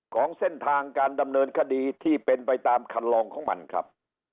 ของเส้นทางการดำเนินคดีที่เป็นไปตามคันลองของมันครับ